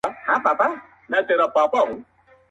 • څوک یې غواړي نن مي عقل پر جنون سودا کوومه..